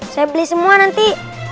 saya beli semua nanti